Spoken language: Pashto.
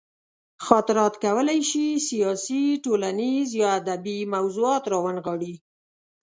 خاطرات کولی شي سیاسي، ټولنیز یا ادبي موضوعات راونغاړي.